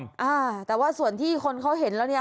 อ่าแต่ว่าส่วนที่คนเขาเห็นแล้วเนี่ย